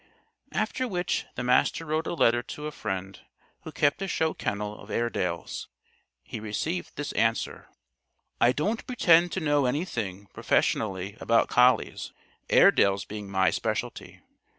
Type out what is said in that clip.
After which, the Master wrote a letter to a friend who kept a show kennel of Airedales. He received this answer: "I don't pretend to know anything, professionally, about collies Airedales being my specialty.